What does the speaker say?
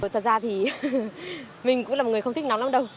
thật ra thì mình cũng là một người không thích nóng lắm đâu